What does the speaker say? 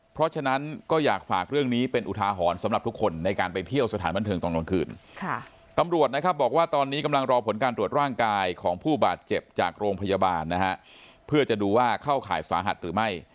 เขาจะดูว่าเข้าข่ายสหราธรรมหรือไม่